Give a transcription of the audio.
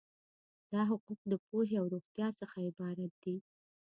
دا حقوق د پوهې او روغتیا څخه عبارت دي.